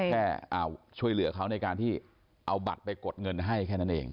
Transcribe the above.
แค่ช่วยเหลือเขาในการที่เอาบัตรไปกดเงินให้แค่นั้นเอง